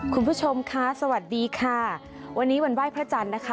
คุณผู้ชมค่ะสวัสดีค่ะวันนี้วันไหว้พระจันทร์นะคะ